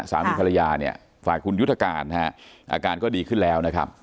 สามีภรรยาเนี่ยฝากคุณยุทธการนะฮะอาการก็ดีขึ้นแล้วนะครับ